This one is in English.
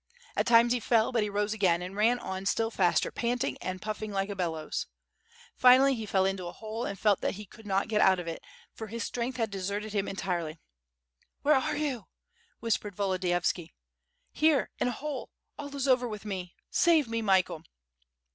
At times he fell, but he rose again, and ran on still faster panting and puffing like a bellows. Finally he fell into a hole and felt that he could not get out of it, for his strength had deserted him entirely. "Where are you?" whispered Volodiyovski. "Here in a hole, all is over with me. Save me, Michael!"